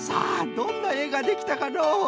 どんなえができたかのう？